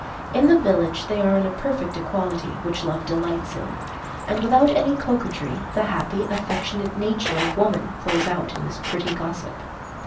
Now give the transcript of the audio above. In the village they are on a perfect equality, which love delights in, and without any coquetry the happy, affectionate nature of woman flows out in this pretty gossip.